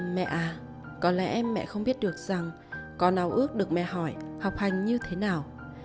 mẹ à có lẽ mẹ không biết được rằng con nào ước được mẹ hỏi học hành như thế nào